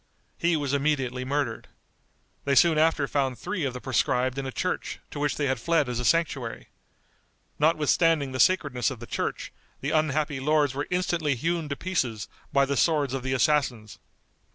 He was immediately murdered. They soon after found three of the proscribed in a church, to which they had fled as a sanctuary. Notwithstanding the sacredness of the church, the unhappy lords were instantly hewn to pieces by the swords of the assassins.